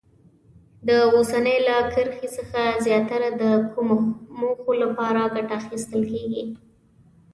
د اوسپنې له کرښې څخه زیاتره د کومو موخو لپاره ګټه اخیستل کیږي؟